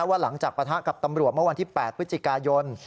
ว่าหลังจากปะทะกับตำรวจเมื่อวันที่๘พฤศจิกายน